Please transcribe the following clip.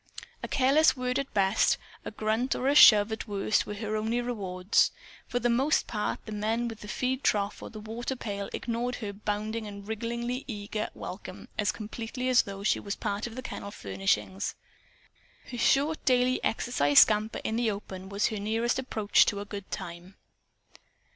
A careless word at best a grunt or a shove at worst were her only rewards. For the most part, the men with the feed trough or the water pail ignored her bounding and wrigglingly eager welcome as completely as though she were a part of the kennel furnishings. Her short daily "exercise scamper" in the open was her nearest approach to a good time.